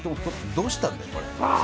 どうしたんだよこれ。わ！